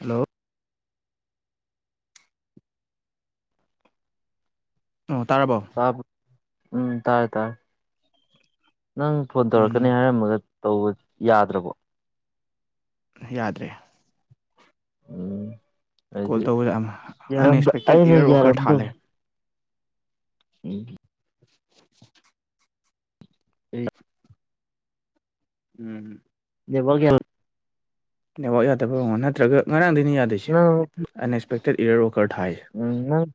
hello ꯑꯣ ꯇꯥꯔꯕꯣ ꯥ ꯎꯝ ꯇꯥꯔꯦ ꯇꯥꯔꯦ ꯅꯪ ꯐꯣꯟ ꯇꯧꯔꯛꯀꯅꯤ ꯎꯝ ꯍꯥꯏꯔꯝꯃꯒ ꯇꯧꯕ ꯌꯥꯗ꯭ꯔꯕꯣ ꯌꯥꯗ꯭ꯔꯦ ꯎꯝ ꯀꯣꯜ ꯍꯥꯏꯗꯤ ꯇꯧꯕꯗ ꯑꯃ ꯌꯥꯔꯗ ꯑꯟꯑꯦꯛꯁꯄꯦꯛꯇꯦꯠ ꯑꯩꯅ ꯏꯔꯔ ꯑꯣꯀꯔ ꯊꯥꯜꯂꯦ ꯌꯥꯔꯝꯗꯦꯕ ꯎꯝ [unintelligible] [unintelligible] ꯎꯝ ꯅꯦꯋꯥꯔꯛ [unintelligible] ꯅꯦꯠꯋꯥꯛ ꯌꯥꯗꯕ [unintelligible] ꯅꯠꯇ꯭ꯔꯒ ꯉꯔꯥꯡꯗꯩꯅ ꯌꯥꯗꯩꯁꯦ ꯅꯪ ꯑꯟꯑꯦꯛꯁꯄꯦꯛꯇꯦꯠ ꯏꯌꯔ ꯋꯥꯀꯔ ꯊꯥꯏꯌꯦ ꯎꯝ ꯅꯪ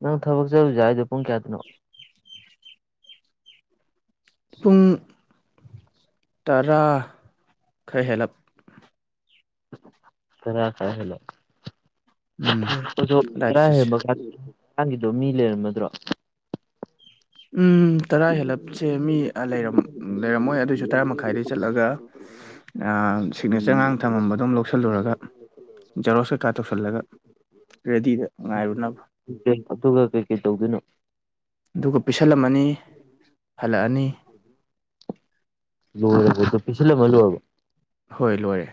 ꯅꯪ ꯊꯕꯛ ꯆꯠꯂꯨꯁꯦ ꯍꯥꯏꯗꯣ ꯄꯨꯡ ꯀꯌꯥꯗꯅꯣ ꯄꯨꯡ ꯇꯔꯥ ꯈꯔ ꯍꯦꯜꯂꯞ ꯇꯔꯥ ꯈꯔ ꯍꯦꯜꯂꯞ ꯎꯝ ꯑꯗꯥꯏꯗ ꯆꯠꯁꯦ [unintelligible] ꯅꯪꯒꯤꯗꯣ ꯃꯤ ꯂꯩꯔꯝꯃꯗ꯭ꯔꯣ ꯎꯝ ꯇꯔꯥ ꯍꯦꯜꯂꯞꯁꯦ ꯃꯤ ꯑ ꯂꯩꯔꯝ ꯂꯩꯔꯝꯃꯣꯏ ꯑꯗꯨꯑꯣꯏꯁꯨ ꯇꯔꯥ ꯃꯈꯥꯏꯗꯩ ꯆꯠꯂꯒ ꯑ ꯁꯤꯒꯅꯦꯆꯔ ꯉꯔꯥꯡ ꯊꯝꯃꯝꯕꯗꯣ ꯑꯃꯨꯛ ꯂꯧꯁꯜꯂꯨꯔꯒ ꯖꯦꯔꯣꯛꯁ ꯀꯩꯀꯥ ꯇꯧꯁꯤꯜꯂꯒ ꯔꯦꯗꯤꯗ ꯉꯥꯏꯔꯨꯅꯕ [unintelligible] ꯑꯗꯨꯒ ꯀꯩꯀꯩ ꯇꯧꯗꯨꯏꯅꯣ ꯑꯗꯨꯒ ꯄꯤꯁꯜꯂꯝꯃꯅꯤ ꯍꯜꯂꯛꯑꯅꯤ ꯄꯤꯁꯜꯂꯝꯃ ꯂꯣꯏꯔꯕꯣ ꯍꯣꯏ ꯂꯣꯏꯔꯦ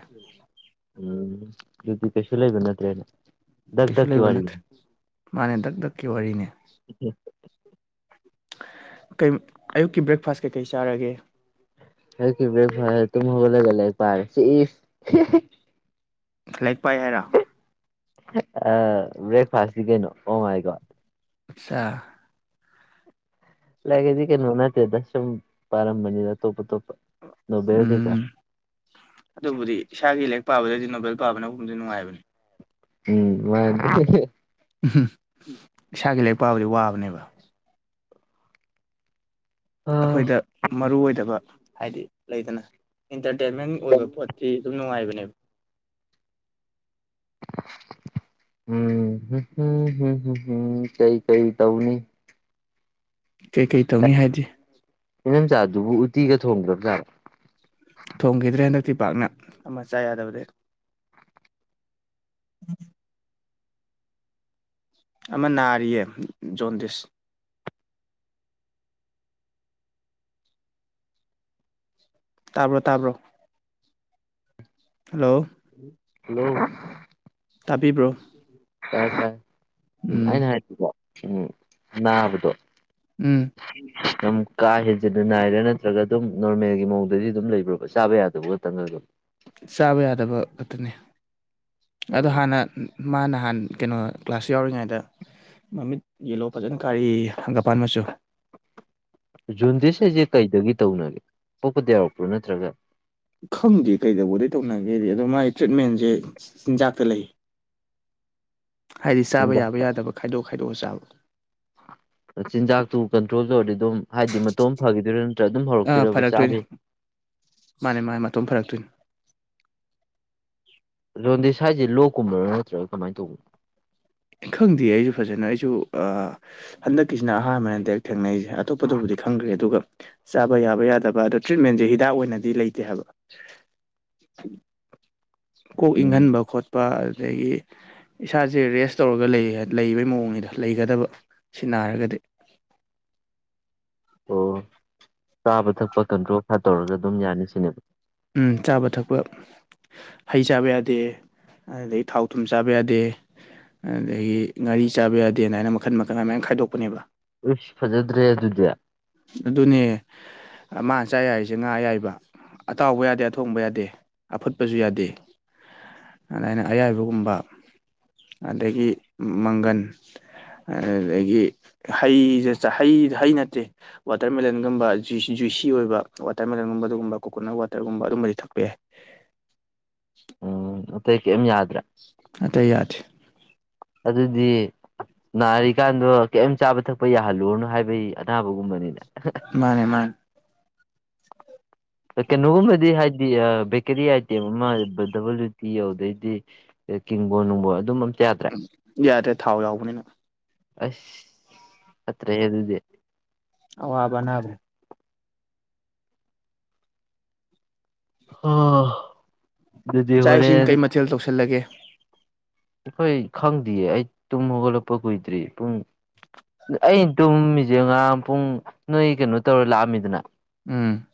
ꯎꯝ ꯑꯗꯨꯗꯤ ꯀꯩꯁꯨ ꯂꯩꯕ ꯅꯠꯇ꯭ꯔꯦꯅꯦ ꯗꯛ ꯀꯩꯁꯨ ꯗꯛꯀꯤ ꯂꯩꯕ ꯅꯠꯇꯦ ꯋꯥꯔꯤꯅꯤ ꯃꯥꯅꯦ ꯗꯛ ꯗꯛꯀꯤ ꯋꯥꯔꯤꯅꯦ [unintelligible] ꯀꯩ ꯑꯌꯨꯛꯀꯤ ꯕ꯭ꯔꯦꯛꯐꯥꯁ ꯀꯩꯀꯩ ꯆꯥꯔꯒꯦ ꯑꯌꯨꯛꯀꯤ ꯕ꯭ꯔꯦꯛ ꯐꯥꯁ ꯇꯨꯝ ꯍꯧꯒꯠꯂꯒ ꯂꯥꯏꯔꯤꯛ ꯄꯥꯔꯤ ꯁꯤ ꯏꯁ ꯂꯥꯏꯔꯤꯛ ꯄꯥꯏ ꯍꯥꯏꯔꯣ ꯑ ꯕꯔꯦꯛ ꯐꯥꯁꯅꯤ ꯀꯩꯅꯣ [unintelligible] ꯍꯥꯏꯗꯣ ꯁꯥ ꯂꯥꯏꯔꯤꯛ ꯑꯗꯤ ꯀꯩꯅꯣ ꯅꯠꯇꯦꯗ ꯁꯨꯝ ꯄꯔꯝꯕꯅꯤꯗ ꯑꯇꯣꯞ ꯑꯇꯣꯞꯄ ꯅꯣꯕꯦꯜ ꯀꯩꯀꯥ ꯎꯝ ꯑꯗꯨꯕꯨꯗꯤ ꯏꯁꯥꯒꯤ ꯂꯥꯏꯔꯤꯛ ꯄꯥꯕꯗꯩꯗꯤ ꯅꯣꯕꯦꯜ ꯄꯥꯕꯅꯗꯤ ꯅꯨꯡꯉꯥꯏꯕꯅꯤ ꯎꯝ ꯅꯨꯡꯉꯥꯏ [unintelligible] ꯏꯁꯥꯒꯤ ꯂꯥꯏꯔꯤꯛ ꯄꯥꯕꯗꯤ ꯋꯥꯕꯅꯦꯕ ꯑꯩꯈꯣꯏꯗ ꯃꯔꯨ ꯑꯣꯏꯗꯕ ꯍꯥꯏꯗꯤ ꯂꯩꯗꯅ ꯏꯟꯇꯔꯇꯦꯟꯃꯦꯟ ꯑꯣꯏꯕ ꯄꯣꯠ ꯇꯤ ꯑꯗꯨꯝ ꯅꯨꯡꯉꯥꯏꯕꯅꯦꯕ ꯎꯝ ꯍꯨꯝ ꯍꯨꯝ ꯍꯨꯝ ꯍꯨ ꯍꯨꯝ ꯀ ꯩ ꯀꯩ ꯇꯧꯅꯤ ꯀꯩ ꯀꯩ ꯇꯧꯅꯤ ꯍꯥꯏꯗꯤ [unintelligible] ꯆꯥꯗꯨꯕꯨ ꯎꯇꯤꯒ ꯊꯣꯡꯗ꯭ꯔꯕꯖꯥꯠꯂꯣ ꯊꯣꯡꯒꯤꯗ꯭ꯔꯦ ꯍꯟꯗꯛꯇꯤ ꯄꯥꯛꯅ ꯑꯃꯥ ꯆꯥ ꯌꯥꯗꯕꯗꯩ [unintelligible] ꯑꯃꯥ ꯅꯥꯔꯤꯌꯦ ꯖꯣꯟꯗꯤꯁ ꯇꯥꯕ꯭ꯔꯣ ꯇꯥꯕ꯭ꯔꯣ ꯍꯜꯂꯣ ꯍꯜꯂꯣ ꯇꯥꯕꯤꯕ꯭ꯔꯣ ꯇꯥꯏ ꯇꯥꯏ ꯎꯝ ꯑꯩꯅ ꯍꯥꯏꯗꯤꯀꯣ ꯎꯝ ꯅꯥꯕꯗꯣ ꯎꯝ [unintelligible] ꯌꯥꯝ ꯀꯥ ꯍꯦꯟꯖꯤꯟꯅ ꯅꯥꯏꯔ ꯅꯠꯇ꯭ꯔꯒ ꯑꯗꯨꯝ ꯅꯣꯔꯃꯦꯜꯒꯤ ꯃꯑꯣꯡꯗꯗꯤ ꯑꯗꯨꯝ ꯂꯩꯕ꯭ꯔꯣꯕ ꯆꯥꯕ ꯌꯥꯗꯕ ꯈꯛꯇꯪꯂꯕ ꯆꯥꯕ ꯌꯥꯗꯕ ꯈꯛꯇꯅꯦ ꯑꯗꯣ ꯑꯣ ꯍꯥꯟꯅ ꯃꯥ ꯅꯍꯥꯟ ꯀꯩꯅꯣ ꯀ꯭ꯂꯥꯁ ꯌꯥꯎꯔꯤꯉꯩꯗ ꯃꯃꯤꯠ ꯌꯦꯜꯂꯣ ꯐꯖꯅ ꯀꯥꯏꯌꯦꯌꯦ ꯍꯪꯒꯥꯄꯥꯟ ꯃꯆꯨ ꯖꯣꯟꯗꯤꯁ ꯍꯥꯏꯖꯦ ꯀꯩꯗꯒꯤ ꯇꯧꯅꯒꯦ ꯄꯣꯛꯄꯗꯩ ꯌꯥꯎꯔꯛꯄ꯭ꯔꯣ ꯅꯠꯇ꯭ꯔꯒ ꯈꯪꯗꯦ ꯀꯩꯗꯧꯕꯗꯩ ꯇꯧꯅꯒꯦꯗꯤ ꯑꯗꯣ ꯃꯥꯏ ꯇ꯭ꯔꯤꯠꯃꯦꯟꯖꯦ ꯆꯤꯟꯖꯥꯛꯇ ꯂꯩ [inaudible] ꯍꯥꯏꯗꯤ ꯆꯥꯕ ꯆꯤꯟꯖꯥꯛ ꯌꯥꯕ ꯌꯥꯗꯕ ꯈꯥꯏꯗꯣꯛ ꯈꯥꯏꯗꯣꯛꯑꯒ ꯆꯥꯕ ꯆꯤꯟꯖꯥꯛꯇꯨ ꯀꯟꯇ꯭ꯔꯣꯜ ꯇꯧꯔꯗꯤ ꯑꯗꯨꯝ ꯍꯥꯏꯗꯤ ꯃꯇꯣꯝ ꯐꯈꯤ ꯗꯣꯏꯔꯥ ꯅꯠꯇ꯭ꯔ ꯑꯗꯨꯝ ꯑꯥ ꯍꯧꯔꯛꯇꯣꯏꯔ ꯐꯔꯛꯇꯣꯏꯅꯦ ꯆꯥꯕ ꯃꯥꯅꯦ ꯃꯥꯅꯦ ꯃꯇꯣꯝ ꯐꯔꯛꯇꯨꯏ ꯍꯣꯟꯗꯤꯁ ꯍꯥꯏꯖꯦ ꯂꯣꯛ ꯀꯨꯝꯕꯔꯥ ꯅꯠꯇ꯭ꯔꯒ ꯀꯃꯥꯏ ꯇꯧꯕꯅꯣ ꯈꯪꯗꯦ ꯑꯩꯁꯨ ꯐꯖꯅ ꯑꯩꯁꯨ ꯑ ꯍꯟꯗꯛꯀꯤꯁꯤꯅ ꯑꯍꯥꯟꯕꯅꯦ ꯗꯥꯏꯔꯦꯛ ꯊꯦꯡꯅꯩꯁꯦ [unintelligible] ꯑꯇꯣꯞꯄꯗꯕꯨꯗꯤ ꯈꯪꯈ꯭ꯔꯦ ꯑꯗꯨꯒ ꯆꯥꯕ ꯌꯥꯕ ꯌꯥꯗꯕ ꯑꯗꯣ ꯇ꯭ꯔꯤꯠꯃꯦꯟꯖꯦ ꯍꯤꯗꯥꯛ ꯑꯣꯏꯅꯗꯤ ꯂꯩꯇꯦ ꯍꯥꯏꯕ [inaudible] ꯀꯣꯛ ꯎꯝ ꯏꯪꯍꯟꯕ ꯈꯣꯠꯄ ꯑꯗꯨꯗꯒꯤ ꯏꯁꯥꯁꯦ ꯔꯦꯁ ꯇꯧꯔꯒ ꯂꯩ ꯂꯩꯕꯩ ꯃꯑꯣꯡꯅꯤꯗ ꯂꯩꯒꯗꯕ ꯁꯤ ꯅꯥꯔꯒꯗꯤ ꯑꯣ ꯆꯥꯕ ꯊꯛꯄ ꯀꯟꯇ꯭ꯔꯣꯜ ꯈꯔ ꯇꯧꯔꯒ ꯑꯗꯨꯝ ꯌꯥꯅꯤ ꯁꯤꯅꯦꯕ ꯆꯥꯕ ꯊꯛꯄ ꯍꯩ ꯆꯥꯕ ꯌꯥꯗꯦ ꯑꯗꯗꯩꯩ ꯊꯥꯎ ꯊꯨꯝ ꯆꯥꯕ ꯌꯥꯗꯦ ꯑꯗꯒꯤ ꯉꯥꯔꯤ ꯆꯥꯕ ꯌꯥꯗꯦꯅ ꯃꯥꯏꯅ ꯃꯈꯟ ꯃꯈꯟ ꯑꯃꯥꯏꯅ ꯈꯥꯏꯗꯣꯛꯄꯅꯦꯕ ꯏꯁ ꯐꯖꯗ꯭ꯔꯦ ꯑꯗꯨꯗꯤ ꯑꯗꯨꯅꯦ ꯃꯥ ꯆꯥꯌꯥꯏꯁꯦ ꯉꯥ ꯑꯌꯥꯏꯕ ꯑꯇꯥꯎꯕ ꯌꯥꯗꯦ ꯑꯊꯣꯡꯕ ꯌꯥꯗꯦ ꯑꯐꯨꯠꯄꯖꯨ ꯌꯥꯗꯦ ꯑꯗꯥꯏꯅ ꯑꯌꯥꯏꯕꯒꯨꯝꯕ ꯑꯗꯒꯤ ꯃꯪꯒꯟ ꯑꯗꯨꯗꯒꯤ ꯍꯩꯖꯦ ꯆꯥ ꯍꯩ ꯍꯩ ꯅꯠꯇꯦ ꯋꯥꯇꯔꯃꯦꯂꯟꯒꯨꯝꯕ ꯖꯨꯏꯁꯤ ꯖꯨꯏꯁꯤ ꯑꯣꯏꯕ ꯋꯥꯇꯔꯃꯦꯂꯟꯒꯨꯝꯕ ꯑꯗꯨꯒꯨꯝꯕ ꯀꯣꯀꯣꯅꯠ ꯋꯥꯇꯔꯒꯨꯝꯕ ꯑꯗꯨꯝꯕꯗꯤ ꯊꯛꯄ ꯌꯥꯏ ꯎꯝ ꯑꯇꯩ ꯀꯩꯝ ꯌꯥꯗ꯭ꯔꯦ ꯑꯇꯩ ꯌꯥꯗꯦ ꯑꯗꯨꯗꯤ ꯅꯥꯔꯤꯀꯥꯟꯗꯣ ꯀꯩꯝ ꯆꯥꯕ ꯊꯛꯄ ꯌꯥꯍꯜꯂꯨꯔꯅꯣ ꯍꯥꯏꯕꯩ ꯑꯅꯥꯕꯒꯨꯝꯕꯅꯤꯅꯦ ꯃꯥꯅꯦ ꯃꯥꯅꯦ ꯀꯩꯅꯣꯒꯨꯝꯕꯗꯤ ꯍꯥꯏꯗꯤ ꯕꯦꯀꯔꯤ ꯑꯥꯏꯇꯦꯝ ꯑꯃ ꯗꯕꯜꯂꯨꯇꯤ ꯌꯧꯗꯩꯗꯤ ꯀꯤꯡꯕꯣꯟ ꯅꯨꯡꯕꯣꯟ ꯑꯗꯨꯝꯕ ꯑꯝ ꯌꯥꯗꯔꯦ ꯊꯥꯎ ꯌꯥꯎꯕꯅꯤꯅ ꯑꯩꯁ ꯐꯠꯇꯔ꯭ꯦꯍꯦ ꯑꯗꯨꯗꯤ ꯑꯋꯥꯕ ꯑꯅꯥꯕꯅꯦ [unintelligible] ꯑꯗꯨꯗꯤ ꯆꯥ ꯏꯁꯤꯡ ꯍꯣꯔꯦꯟ ꯀꯩ ꯃꯊꯦꯜ ꯇꯧꯁꯜꯂꯒꯦ ꯑꯩꯈꯣꯏ ꯈꯪꯗꯤꯌꯦ ꯑꯩ ꯇꯨꯝ ꯍꯧꯒꯠꯂꯛꯄ ꯀꯨꯏꯗ꯭ꯔꯤ ꯄꯨꯡ ꯑꯩꯟ ꯇꯨꯝꯃꯤꯖꯦ ꯉꯔꯥꯡ ꯄꯨꯡ ꯅꯣꯏ ꯀꯩꯅꯣ ꯇꯧꯔ ꯂꯥꯑꯝꯃꯤꯗꯅ ꯎꯝ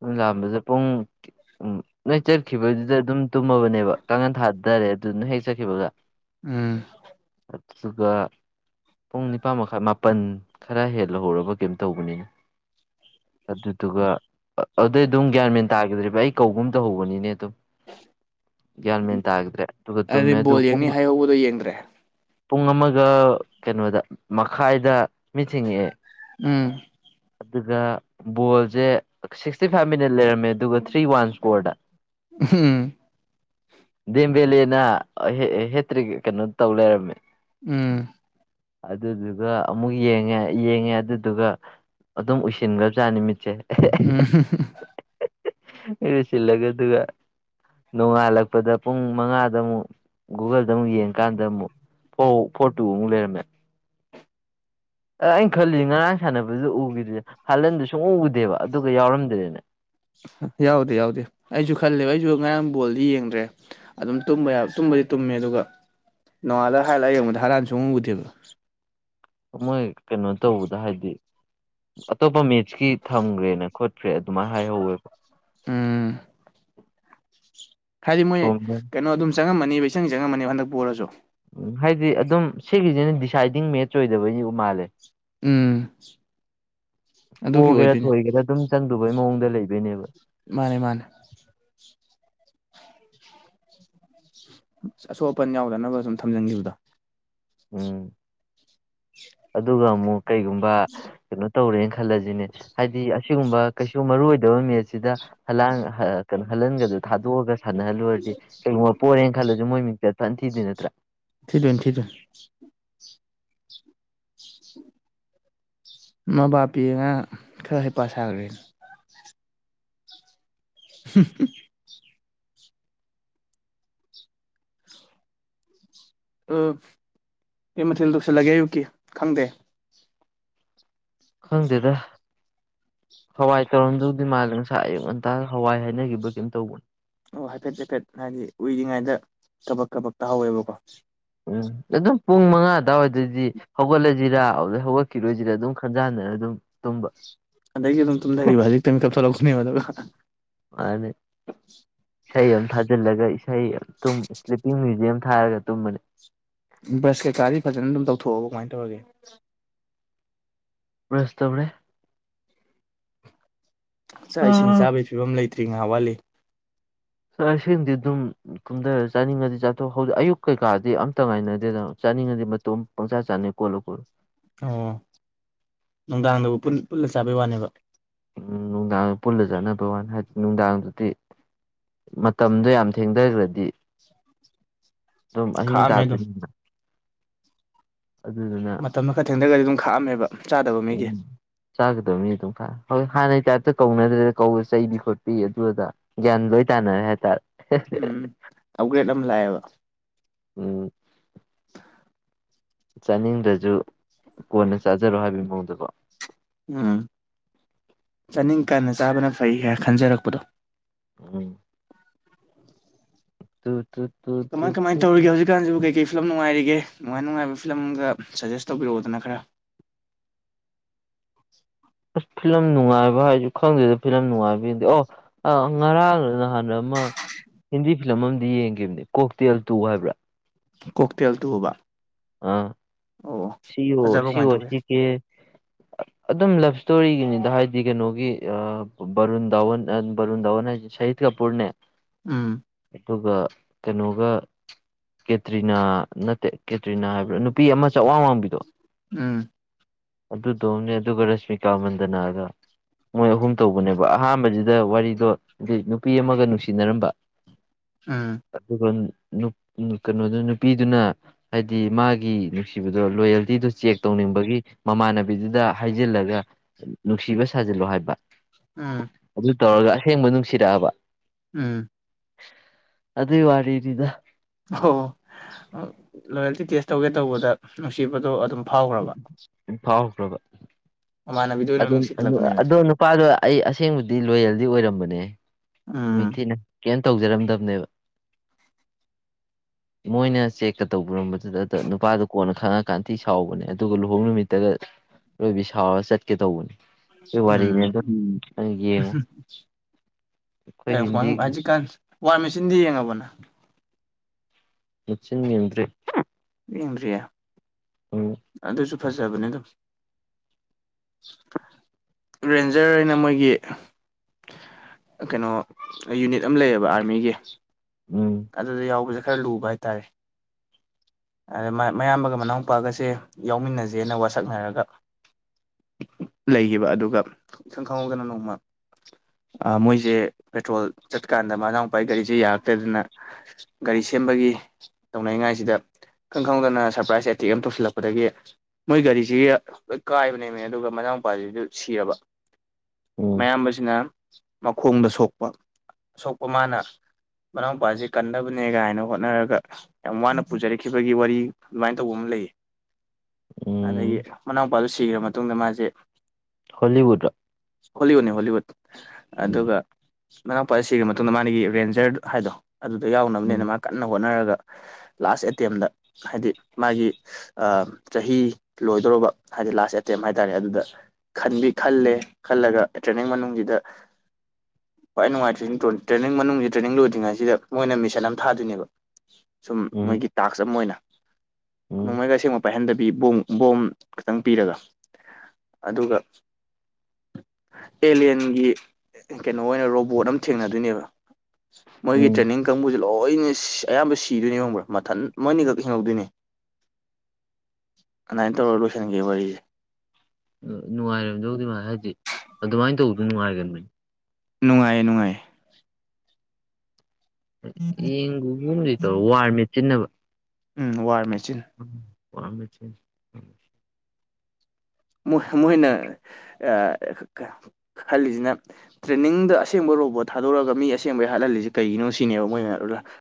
ꯑꯗꯨ ꯂꯥꯑꯝꯕꯗꯨ ꯄꯨꯡ ꯀꯦ ꯎꯝ ꯅꯣꯏ ꯆꯠꯈꯤꯕꯗꯨꯗ ꯑꯗꯨꯝ ꯇꯨꯝꯃꯕꯅꯦꯕ ꯀꯥꯡꯉꯟ ꯊꯥꯗꯔꯦ ꯑꯗꯨ ꯅꯣꯏ ꯍꯦꯛ ꯆꯠꯈꯤꯕꯒ ꯎꯝ ꯑꯠꯊꯔꯨꯒ ꯄꯨꯡ ꯅꯤꯄꯥꯥꯟ ꯃꯈꯥꯏ ꯃꯥꯄꯟ ꯈꯔ ꯍꯦꯜꯂꯍꯧꯔꯕ ꯀꯩꯝ ꯇꯧꯕꯅꯤꯅꯦ ꯑꯗꯨꯗꯨꯒ ꯑꯗꯨꯗꯩ ꯗꯨꯝ ꯒ꯭ꯌꯥꯟꯃꯦꯟ ꯇꯥꯒꯤꯗ꯭ꯔꯦꯕ ꯑꯩ ꯀꯧꯒꯨꯝ ꯇꯧꯍꯧꯕꯅꯤꯅꯦ ꯑꯗꯨꯝ ꯒ꯭ꯌꯥꯟꯃꯦꯟ ꯇꯥꯒꯤꯗ꯭ꯔꯦ ꯗꯨꯒ ꯑꯗꯨꯗꯤ ꯇꯨꯝꯃꯦ ꯗꯨ ꯕꯣꯜ ꯄꯨꯡ ꯌꯦꯡꯅꯤ ꯍꯥꯏꯍꯧꯕꯗꯣ ꯌꯦꯡꯗ꯭ꯔꯦ ꯄꯨꯡ ꯑꯃꯒ ꯀꯩꯅꯣꯗ ꯃꯈꯥꯏꯗ ꯃꯤꯠ ꯁꯤꯡꯉꯦꯑꯦ ꯎꯝ ꯑꯗꯨꯒ ꯕꯣꯜꯖꯦ ꯁꯤꯛꯁꯇꯤ ꯐꯥꯏꯚ ꯃꯤꯅꯠ ꯂꯩꯔꯝꯃꯦ ꯗꯨꯒ ꯊ꯭ꯔꯤ ꯋꯥꯟ ꯏꯁꯀꯣꯔꯗ [unintelligible] ꯗꯦꯝꯕꯦꯂꯦꯅ ꯍꯦ ꯍꯦꯇ꯭ꯔꯤꯛ ꯀꯩꯅꯣ ꯇꯧ ꯂꯩꯔꯝꯃꯦ ꯎꯝ ꯑꯗꯨꯗꯨꯒ ꯑꯃꯨꯛ ꯌꯦꯡꯉꯦ ꯌꯦꯡꯉꯦ ꯑꯗꯨꯗꯨꯒ ꯑꯗꯨꯝ ꯎꯏꯁꯤꯟꯒꯔꯕꯖꯥꯠꯅꯤ ꯃꯤꯠꯁꯦ [unintelligible] [unintelligible] ꯁꯤꯜꯂꯒ ꯗꯨꯒꯒ ꯅꯣꯡꯉꯥꯜꯂꯛꯄꯗ ꯄꯨꯡ ꯃꯉꯥꯗ ꯑꯃꯨꯛ ꯒꯨꯒꯜꯗ ꯑꯃꯨꯛ ꯌꯦꯡꯀꯥꯟꯗ ꯑꯃꯨꯛ ꯐꯣ ꯐꯣꯔ ꯇꯨ ꯑꯃꯨꯛ ꯂꯩꯔꯝꯃꯦ ꯑ ꯑꯩꯅ ꯈꯜꯂꯤ ꯉꯔꯥꯡ ꯁꯥꯟꯅꯕꯗꯨꯗ ꯎꯒꯤꯗꯦ ꯍꯥꯜꯂꯟꯗꯨ ꯁꯨꯡꯎ ꯎꯗꯦꯕ ꯑꯗꯨꯒ ꯌꯥꯎꯔꯝꯗꯦꯔꯦꯅꯦ ꯌꯥꯎꯗꯦ ꯌꯥꯎꯗꯦ ꯑꯩꯖꯨ ꯈꯜꯂꯦꯕ ꯑꯩꯖꯨ ꯉꯔꯥꯡ ꯕꯣꯜꯗꯤ ꯌꯦꯡꯗ꯭ꯔꯦ ꯑꯗꯨꯝ ꯇꯨꯝꯕ ꯌꯥ ꯇꯨꯝꯕꯗꯤ ꯇꯨꯝꯃꯦ ꯑꯗꯨꯒ ꯅꯣꯡꯉꯥꯜꯂ ꯍꯥꯏ ꯂꯥꯏꯠ ꯌꯦꯡꯕꯗ ꯍꯥꯂꯥꯟ ꯁꯨꯡꯎ ꯎꯗꯦꯕ ꯃꯣꯏ ꯀꯩꯅꯣ ꯇꯧꯕꯗ ꯍꯥꯏꯗꯤ ꯑꯇꯣꯞꯄ ꯃꯦꯠꯁꯀꯤ ꯊꯝꯒꯔ꯭ꯦ ꯅ ꯈꯣꯠꯈ꯭ꯔꯦ ꯑꯗꯨꯃꯥꯏ ꯍꯥꯏꯍꯧꯋꯦꯕ ꯎꯝ ꯍꯥꯏꯗꯤ ꯃꯣꯏ ꯊꯣꯝꯗ ꯀꯩꯅꯣ ꯑꯗꯨꯝ ꯆꯪꯉꯝꯃꯅꯤꯕ ꯏꯆꯪ ꯆꯪꯉꯝꯃꯅꯤ ꯍꯟꯗꯛ ꯄꯣꯔꯁꯨ ꯎꯝ ꯍꯥꯏꯗꯤ ꯑꯗꯨꯝ ꯁꯤꯒꯤꯁꯤꯅ ꯗꯤꯁꯥꯏꯗꯤꯡ ꯃꯦꯠꯆ ꯑꯣꯏꯗꯕꯩꯅꯤ ꯎ ꯃꯥꯜꯂꯦ ꯎꯝ ꯑꯗꯨꯒꯤ ꯄꯣꯛꯒꯦꯔꯥ ꯑꯣꯏꯗꯣꯏꯅꯤ ꯊꯣꯏꯒꯦꯔꯥ ꯑꯗꯨꯝ ꯆꯪꯗꯕꯩ ꯃꯑꯣꯡꯗ ꯂꯩꯗꯨꯏꯅꯦꯕ ꯃꯥꯅꯦ ꯃꯥꯅꯦ ꯑꯁꯣꯛ ꯑꯄꯟ ꯌꯥꯎꯗꯅꯕ ꯁꯨꯝ ꯊꯝꯖꯟꯈꯤꯕꯗ ꯎꯝ ꯑꯗꯨꯒ ꯑꯃꯨꯛ ꯀꯩꯒꯨꯝꯕ ꯀꯩꯅꯣ ꯇꯧꯔꯦꯅ ꯈ ꯈꯜꯂꯁꯤꯅꯦ ꯍꯥꯏꯗꯤ ꯑꯁꯤꯒꯨꯝꯕ ꯀꯩꯁꯨ ꯃꯔꯨ ꯑꯣꯏꯗꯕ ꯃꯦꯠꯁꯤꯗ ꯍꯂꯥꯟ ꯀꯩꯅꯣ ꯍꯜꯍꯟꯒꯗꯣ ꯊꯥꯗꯣꯛꯑꯒ ꯁꯥꯟꯅꯍꯜꯂꯨꯔꯗꯤ ꯀꯩꯒꯨꯝꯕ ꯄꯣꯔꯦꯅ ꯈꯜꯂꯁꯨ ꯃꯣꯏ ꯃꯤꯡꯆꯠ ꯐꯠ ꯊꯤꯗꯨꯏ ꯅꯠꯇ꯭ꯔꯥ ꯊꯤꯗꯨꯏꯅꯦ ꯊꯤꯗꯨꯏꯅꯤ ꯃꯕꯥꯄꯤ ꯑꯉꯥ ꯈꯔ ꯍꯩꯄꯥ ꯁꯥꯈ꯭ꯔꯦ [unintelligible] ꯎ ꯑ ꯀꯩ ꯃꯊꯦꯜ ꯇꯧꯁꯤꯜꯂꯒꯦ ꯑꯌꯨꯛꯀꯤ ꯈꯪꯗꯦ ꯈꯪꯗꯦꯗ ꯍꯋꯥꯏ ꯇꯧꯔꯝꯗꯧꯗꯤ ꯃꯥꯜꯂꯦ ꯉꯁꯥꯏ ꯑꯌꯨꯛ ꯉꯟꯇꯥ ꯍꯋꯥꯏ ꯍꯥꯏꯅꯈꯤꯕ꯭ꯔꯥ ꯀꯔꯤꯝꯇ ꯇꯧꯕꯅꯦ ꯑꯣ ꯍꯥꯏꯐꯦꯠ ꯍꯥꯏꯐꯦꯠ ꯍꯥꯏꯗꯤ ꯎꯏꯔꯤꯉꯩꯗ ꯀꯕꯛ ꯀꯕ ꯇꯥ ꯍꯧꯋꯦꯕꯀꯣ ꯎꯝ ꯑꯗꯨꯝ ꯄꯨꯡ ꯃꯉꯥ ꯑꯗꯨꯋꯥꯏꯗꯗꯤ ꯍꯧꯒꯠꯂꯁꯤꯔ ꯑꯗꯨꯗ ꯍꯧꯒꯠꯈꯤꯔꯣꯏꯁꯤꯔꯥ ꯑꯗꯨꯝ ꯈꯟꯖꯥꯟꯅꯅ ꯑꯗꯨꯝ ꯇꯨꯝꯕ ꯑꯗꯒꯤ ꯑꯗꯨꯝ ꯇꯨꯝꯊꯈꯤꯕ ꯍꯧꯖꯤꯛꯇꯥ ꯃꯤꯀꯞ ꯊꯣꯛꯂꯛꯄꯅꯦꯕꯥ ꯑꯗꯨꯒ ꯃꯅꯤ ꯏꯁꯩ ꯑꯃ ꯊꯥꯖꯤꯜꯂꯒ ꯏꯁꯩ ꯇꯨꯝ ꯏꯁ꯭ꯂꯤꯞꯄꯤꯡ ꯃ꯭ꯌꯨꯖꯤꯛ ꯊꯥꯔꯒ ꯇꯨꯝꯕꯅꯦ ꯕ꯭ꯔꯁ ꯀꯩꯀꯥꯗꯤ ꯐꯖꯅ ꯑꯗꯨꯝ ꯇꯧꯊꯣꯛꯑꯣ ꯀꯃꯥꯏꯅ ꯇꯧꯔꯒꯦ ꯕꯔ꯭ꯁ ꯇꯧꯔꯦ ꯆꯥꯛ ꯏꯁꯤꯡ ꯆꯥꯕꯒꯤ ꯐꯤꯕꯝ ꯂꯩꯇ꯭ꯔꯤ ꯉꯥꯏꯍꯥ ꯋꯥꯠꯂꯤ ꯆꯥꯛ ꯏꯁꯤꯡꯗꯤ ꯑꯗꯨꯝ ꯀꯨꯝꯊꯔꯒ ꯆꯥꯅꯤꯡꯉꯗꯤ ꯆꯥꯊꯣꯛ ꯍꯧꯖꯤꯛ ꯑꯌꯨꯛ ꯀꯩꯀꯥꯗꯤ ꯑꯝꯇ ꯉꯥꯏꯅꯗꯦꯗꯅ ꯆꯥꯅꯤꯡꯉꯗꯤ ꯃꯇꯣ ꯄꯪꯆꯥ ꯆꯥꯅꯩ ꯀꯣꯠꯂ ꯀꯣꯠꯂ ꯑꯣ ꯅꯨꯡꯗꯥꯡꯗꯕꯨ ꯄꯨꯟ ꯄꯨꯜꯂ ꯆꯥꯕꯩ ꯋꯥꯅꯦꯕ ꯎꯝ ꯅꯨꯡꯗꯥꯡ ꯄꯨꯜꯂ ꯆꯠꯅꯕ ꯋꯥꯅꯤ ꯍꯥꯏꯗꯤ ꯅꯨꯡꯗꯥꯡꯗꯨꯗꯤ ꯃꯇꯝꯗꯣ ꯌꯥꯝ ꯊꯦꯡꯊꯈ꯭ꯔꯗꯤ ꯑꯗꯨꯝ ꯑꯍꯤꯡ ꯈꯥꯛꯑꯝꯃꯦ ꯑꯗꯨꯝ ꯇꯥꯗ꯭ꯣꯏꯅ ꯃꯇꯝꯗꯣ ꯈꯔ ꯊꯦꯡꯗꯒꯗꯤ ꯑꯗꯨꯝ ꯈꯥꯛꯑꯝꯃꯦꯕ ꯆꯥꯗꯕ ꯃꯤꯒꯤ ꯎꯝ ꯆꯥꯒꯗꯕꯅꯤ ꯑꯗꯨꯝ ꯈꯥꯛꯑꯦ ꯍꯖꯤ ꯍꯥꯟꯅꯩ ꯇꯥꯏꯞꯇ ꯀꯧꯅꯗ꯭ꯔꯦꯗ ꯀꯧ ꯆꯩꯕꯤ ꯈꯣꯠꯄꯤ ꯑꯗꯨꯑꯗ ꯒꯌ꯭ꯥꯟ ꯂꯣꯏꯅ ꯇꯥꯅꯔꯦ ꯍꯥꯏ ꯇꯥꯔꯦ ꯎꯝ ꯑꯞꯒ꯭ꯔꯦꯗ ꯑꯃ ꯂꯥꯛꯑꯦꯕ ꯎꯝ ꯆꯥꯅꯤꯡꯗ꯭ꯔꯁꯨ ꯀꯣꯟꯅ ꯆꯥꯖꯔꯣ ꯍꯥꯏꯕ ꯃꯑꯣꯡꯗꯀꯣ ꯎꯝ ꯆꯥꯅꯤꯡꯀꯥꯟꯗ ꯆꯥꯕꯅ ꯐꯩ ꯍꯥꯏ ꯈꯟꯖꯔꯛꯄꯗꯣ ꯎꯝ ꯗꯨ ꯗꯨꯠ ꯀꯃꯥꯏ ꯀꯃꯥꯏ ꯇꯧꯔꯤꯒꯦ ꯍꯧꯖꯤꯛ ꯍꯧꯖꯤꯛꯀꯥꯟꯁꯤꯕꯨ ꯀꯩ ꯀꯩ ꯐꯤꯂꯝ ꯅꯨꯡꯉꯥꯏꯔꯤꯒꯦ ꯅꯨꯡꯉꯥꯏ ꯅꯨꯡꯉꯥꯏꯕ ꯐꯤꯂꯝꯒ ꯁꯖꯦꯁ ꯇꯧꯕꯤꯔꯛꯑꯣꯗꯅ ꯈꯔ ꯑꯁ ꯐꯤꯂꯝ ꯅꯨꯡꯉꯥꯏꯕ ꯍꯥꯏꯁꯨ ꯈꯪꯗꯦꯗ ꯐꯤꯂꯝ ꯅꯨꯡꯉꯥꯏꯕꯗꯤ ꯑꯣ ꯑ ꯉꯔꯥꯡ ꯅꯍꯥꯟꯁꯨ ꯑꯃ [unintelligible] ꯍꯤꯟꯗꯤ ꯐꯤꯂꯝ ꯑꯝꯗꯤ ꯌꯦꯡꯒꯤꯕꯅꯤ ꯀꯣꯛ ꯇꯦꯜ ꯇꯨ ꯍꯥꯏꯕ꯭ꯔꯥ ꯀꯣꯛꯇꯦꯜ ꯇꯨ ꯑꯕ ꯑꯥ ꯁꯤ ꯑꯣ ꯐꯖꯕ꯭ꯔꯥ ꯁꯤ ꯀꯃꯥꯏꯅ ꯑꯣ ꯇꯧꯒꯦ ꯁꯤ ꯀꯦ ꯑꯗꯨꯝ ꯂꯞ ꯏꯁꯇꯣꯔꯤꯒꯤꯅꯤꯗ ꯍꯥꯏꯗꯤ ꯀꯩꯅꯣꯒꯤ ꯕꯔꯨꯟ ꯗꯥꯋꯟ ꯕꯔꯨꯟ ꯗꯥꯋꯟ ꯍꯥꯏꯖꯦ ꯁꯍꯤꯗ ꯀꯥꯄꯨꯔꯅꯦ ꯎꯝ ꯑꯗꯨꯒ ꯀꯩꯅꯣꯒ ꯀꯦꯇ꯭ꯔꯤꯅꯥ ꯅꯠꯇꯦ ꯀꯦ ꯇ꯭ꯔꯤꯅꯥ ꯍꯥꯏꯕ꯭ꯔꯥ ꯅꯨꯄꯤ ꯑꯃ ꯆꯋꯥꯡ ꯋꯥꯡꯕꯤꯗꯣ ꯎꯝ ꯑꯗꯨꯗꯣꯝꯅꯦ ꯑꯗꯨꯒ ꯔꯁꯃꯤꯀꯥ ꯃꯟꯗꯅꯥꯒ ꯃꯣꯏ ꯑꯍꯨꯝ ꯇꯧꯕꯅꯦꯕ ꯑꯍꯥꯝꯕꯖꯤꯗ ꯋꯥꯔꯤꯗꯣ ꯅꯨꯄꯤ ꯑꯃꯒ ꯅꯨꯡꯁꯤꯅꯔꯝꯕ [unintelligible] ꯑꯥ ꯑꯗꯨꯒ ꯅꯨꯞ ꯅꯨꯞ ꯀꯩꯅꯣꯗꯨ ꯅꯨꯄꯤꯗꯨꯅ ꯍꯥꯏꯗꯤ ꯃꯥꯒꯤ ꯅꯨꯡꯁꯤꯕꯗꯣ ꯂꯣꯌꯦꯜꯇꯤꯗꯨ ꯆꯦꯛ ꯇꯧꯅꯤꯡꯕꯒꯤ ꯃꯃꯥꯟꯅꯕꯤꯗꯨꯗ ꯍꯩꯖꯤꯜꯂꯒ ꯅꯨꯡꯁꯤꯕ ꯁꯥꯖꯤꯜꯂꯣ ꯍꯥꯏꯕ ꯑꯥ ꯑꯗꯨ ꯇꯧꯔꯒ ꯑꯁꯦꯡꯕ ꯅꯨꯡꯁꯤꯔꯑꯕ ꯎꯝ ꯑꯗꯨꯢ ꯋꯥꯔꯤꯅꯤꯗ ꯑꯍꯣ ꯂꯣꯌꯦꯜꯇꯤ ꯇꯦꯁ ꯇꯧꯒꯦ ꯇꯧꯕꯗ ꯅꯨꯡꯁꯤꯕꯗꯣ ꯑꯗꯨꯝ ꯐꯥꯎꯒꯔꯕ ꯎꯝ ꯐꯥꯎꯈ꯭ꯔꯕ ꯑꯣꯏꯅ ꯑꯗꯨꯝ ꯑꯗꯣ ꯅꯨꯡꯁꯤꯈꯠꯂꯛꯄꯅꯦꯃꯦ ꯑꯗꯣ ꯅꯨꯄꯥꯗꯣ ꯑꯩ ꯑꯁꯦꯡꯕꯗꯤ ꯂꯣꯌꯦꯜꯗꯤ ꯑꯣꯏꯔꯝꯕꯅꯦ ꯎꯝ ꯃꯤꯊꯤꯅ ꯀꯩꯝ ꯇꯧꯖꯔꯝꯗꯕꯅꯦꯕ ꯃꯣꯏꯅ ꯆꯦꯛꯀ ꯇꯧꯕꯔꯝꯕꯗꯨꯗ ꯑꯗ ꯅꯨꯄꯥꯗꯣ ꯀꯣꯟꯅ ꯈꯪꯉꯑꯀꯥꯟ ꯊꯤ ꯁꯥꯎꯕꯅꯦ ꯑꯗꯨꯒ ꯂꯨꯍꯣꯡ ꯅꯨꯃꯤꯠꯇꯒ ꯔꯣꯏꯕꯤ ꯁꯥꯎꯔ ꯆꯠꯀꯦ ꯇꯧꯕꯅꯤ ꯗꯨ ꯋꯥꯔꯤꯅꯦ ꯎꯝ [unintelligible] ꯅꯪ ꯌꯦꯉꯣ [unintelligible] ꯖꯤꯛꯀꯥꯟ ꯋꯥꯔ ꯃꯦꯆꯤꯟꯗꯤ ꯌꯦꯡꯉꯕꯣꯅ ꯃꯦꯆꯤꯟ ꯌꯦꯡꯗ꯭ꯔꯤ ꯌꯦꯡꯗ꯭ꯔꯤꯌꯦ ꯎꯝ ꯑꯗꯨꯖꯨ ꯐꯖꯕꯅꯦ ꯗꯨꯝ ꯔꯦꯟꯖꯔ ꯑꯩꯅ ꯃꯣꯏꯒꯤ ꯀꯩꯅꯣ ꯌꯨꯅꯤꯠ ꯑꯝ ꯂꯩꯌꯦꯕ ꯑꯥꯔꯃꯤꯒꯤ ꯎꯝ ꯑꯗꯨꯗ ꯌꯥꯎꯕꯖꯦ ꯈꯔ ꯂꯨꯕ ꯍꯥꯏꯇꯥꯔꯦ ꯑꯗ ꯃꯥꯏ ꯃꯌꯥꯝꯕꯒ ꯃꯅꯥꯎꯄꯥꯒꯁꯦ ꯌꯥꯎꯃꯤꯟꯅꯖꯦꯅ ꯋꯥꯁꯛꯅꯔꯒ ꯂꯩꯒꯤꯕ ꯑꯗꯨꯒ ꯏꯪꯈꯪ ꯈꯪꯍꯧꯗꯅ ꯅꯣꯡꯃ ꯑꯥ ꯃꯣꯏꯖꯦ ꯄꯦꯇ꯭ꯔꯣꯜ ꯆꯠꯀꯥꯟꯗ ꯃꯅꯥꯎ ꯄꯥꯏ ꯒꯥꯔꯤꯖꯦ ꯌꯥꯔꯛꯇꯗꯅ ꯒꯥꯔꯤ ꯁꯦꯝꯕꯒꯤ ꯇꯧꯅꯩꯉꯥꯏꯁꯤꯗ ꯈꯪ ꯈꯪꯍꯧꯗꯅ ꯁꯔꯄ꯭ꯔꯥꯏꯁ ꯑꯦꯇꯦꯛ ꯑꯝ ꯇꯧꯁꯤꯜꯂꯛꯄꯗꯒꯤ ꯃꯣꯏ ꯒꯥꯔꯤꯖꯤ ꯂꯣꯏ ꯀꯥꯏꯕꯅꯦꯃꯤ ꯑꯗꯨꯒ ꯃꯅꯥꯎꯄꯥꯖꯤꯗꯨ ꯁꯤꯔꯕ ꯎꯝ ꯃꯌꯥꯝꯕꯁꯤꯅ ꯃꯈꯣꯡꯗ ꯁꯣꯛꯄ ꯑꯁꯣꯛꯄ ꯃꯥꯅ ꯃꯅꯥꯎꯄꯥꯖꯤ ꯀꯟꯅꯕꯅꯦ ꯒꯥꯏꯅ ꯍꯣꯠꯅꯔꯒ ꯌꯥꯝ ꯋꯥꯅ ꯄꯨꯖꯔꯛꯈꯤꯕꯒꯤ ꯋꯥꯔꯤ ꯑꯗꯨꯃꯥꯏ ꯇꯧꯕ ꯑꯝ ꯂꯩꯌꯦ ꯑꯗꯒꯤ ꯎꯝ ꯃꯅꯥꯎꯄꯥꯗꯨ ꯁꯤꯒꯔ ꯃꯇꯨꯡꯗ ꯃꯥꯖꯦ ꯍꯣꯂꯤꯋꯨꯠꯔ ꯍꯣꯂꯤꯋꯨꯠꯅꯤ ꯍꯣꯂꯤꯋꯨꯠ ꯎꯝ ꯑꯗꯨꯒ ꯃꯅꯥꯎꯄꯥ ꯁꯤꯈ ꯃꯇꯨꯡꯗ ꯃꯥꯅ ꯔꯦꯟꯖꯔ ꯍꯥꯏꯗꯣ ꯑꯗꯨꯗ ꯎꯝ ꯌꯥꯎꯅꯕꯅꯦꯅ ꯃꯥ ꯀꯟꯅ ꯍꯣꯠꯅꯔꯒ ꯂꯥꯁ ꯑꯦꯇꯦꯝꯗ ꯍꯥꯏꯗꯤ ꯃꯥꯒꯤ ꯑ ꯆꯍꯤ ꯂꯣꯏꯗꯧꯔꯕ ꯍꯥꯏꯗꯤ ꯂꯥꯁ ꯑꯦꯇꯦꯝ ꯍꯥꯏ ꯇꯥꯔꯦ ꯑꯗꯨꯗ ꯈꯟꯗꯤ ꯈꯜꯂꯦ ꯈꯜꯂꯒ ꯇ꯭ꯔꯦꯅꯤꯡ ꯃꯅꯨꯡꯁꯤꯗ ꯈ꯭ꯋꯥꯏ ꯅꯨꯡꯉꯥꯏꯇ꯭ꯔꯤꯅ ꯇ꯭ꯔꯦꯅꯤꯡ ꯃꯅꯨꯡꯁꯤ ꯇ꯭ꯔꯦꯅꯤꯡ ꯂꯣꯏꯗ꯭ꯔꯤꯉꯩꯁꯤꯗ ꯃꯣꯏꯅ ꯃꯤꯁꯟ ꯑꯃ ꯊꯥꯗꯣꯏꯅꯦꯕ ꯁꯨꯝ ꯎꯝ ꯃꯣꯏꯒꯤ ꯇꯥꯛꯁ ꯑꯃ ꯑꯣꯏꯅ ꯎꯝ ꯅꯣꯡꯃꯩꯒ ꯑꯁꯦꯡꯕ ꯄꯥꯏꯍꯟꯗꯕꯤ ꯕꯣꯝ ꯕꯣꯝ ꯈꯛꯇꯪ ꯄꯤꯔꯒ ꯑꯗꯨꯒ ꯑꯦꯂꯦꯟꯒꯤ ꯀꯩꯅꯣ ꯑꯣꯏꯅ ꯔꯣꯕꯣꯠ ꯑꯃ ꯊꯦꯡꯅꯗꯣꯏꯅꯦꯕ ꯃꯣꯏꯒꯤ ꯎꯝ ꯇ꯭ꯔꯦꯅꯤꯡ ꯀꯥꯡꯕꯨꯁꯦ ꯂꯣꯏꯅ ꯁꯤ ꯑꯌꯥꯝꯕ ꯁꯤꯗꯣꯏꯅꯤ ꯈꯡꯕ꯭ꯔꯥ ꯃꯊꯟ ꯃꯣꯏꯅꯤꯈꯛ ꯍꯤꯡꯍꯧꯗꯣꯏꯅꯦ ꯑꯗꯨꯃꯥꯏꯅ ꯇꯧꯔꯒ ꯂꯣꯏꯁꯤꯟꯒꯤ ꯋꯥꯔꯤꯁꯦ ꯅꯨꯡꯉꯥꯏꯔꯝꯗꯧꯗꯤ ꯃꯥꯥꯟꯂꯤ ꯍꯥꯏꯗꯤ ꯑꯗꯨꯃꯥꯏꯅ ꯇꯧꯕꯗꯣ ꯅꯨꯡꯉꯥꯏꯒꯅꯕꯅꯤ ꯅꯨꯡꯉꯥꯏ ꯅꯨꯡꯉꯥꯏꯌꯦ ꯌꯦꯟꯒꯨꯝꯒꯨꯝꯗꯤ ꯇꯧꯔꯦ ꯋꯥꯔ ꯃꯦꯠꯆꯤꯟ ꯍꯥꯏꯕ ꯎꯝ ꯋꯥꯔ ꯃꯦꯆꯤꯟ ꯎꯝ ꯋꯥꯔ ꯃꯦꯆꯤꯟ ꯃꯣꯏ ꯃꯣꯏꯅ ꯑ ꯈꯜꯂꯤꯁꯤꯅ ꯇ꯭ꯔꯦꯅꯤꯡꯗ ꯑꯁꯦꯡꯕ ꯔꯣꯕꯣꯠ ꯊꯥꯗꯣꯔꯛꯑꯒ ꯃꯤ ꯑꯁꯦꯡꯕꯩ ꯍꯥꯠꯍꯜꯂꯤꯁꯦ ꯀꯩꯒꯤꯅꯣ ꯁꯤꯅꯦꯕ ꯃꯣꯏꯅ [unintelligible]